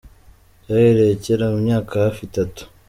Byahereye kera mu myaka hafi itatu.